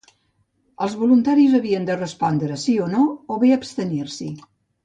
Els voluntaris havien de respondre sí o no o bé abstenir-s’hi.